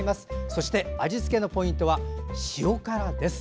そして味付けのポイントは塩辛です。